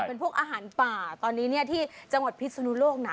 เป็นพวกอาหารป่าตอนนี้เนี่ยที่จังหวัดพิศนุโลกนะ